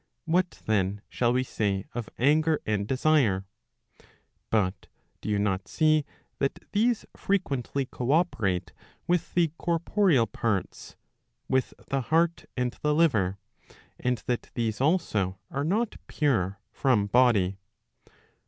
What then shall we say of anger and desire? But do you not see that these frequently co operate with the corporeal parts, with the heart and the liver, and that these also are not pure from body